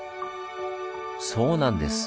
そうなんです。